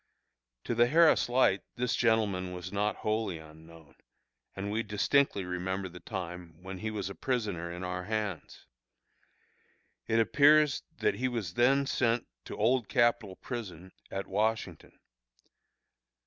To the Harris Light this gentleman was not wholly unknown, and we distinctly remember the time when he was a prisoner in our hands. It appears that he was then sent to Old Capitol Prison at Washington.